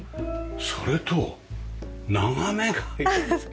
それと眺めがいいですよね。